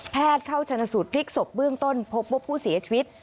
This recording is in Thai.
แพทย์เช่าชนสูตรพลิกสบเบื้องต้นพบพบผู้เสียชีวิต